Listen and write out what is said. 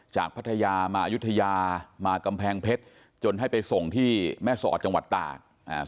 พัทยามาอายุทยามากำแพงเพชรจนให้ไปส่งที่แม่สอดจังหวัดตากอ่า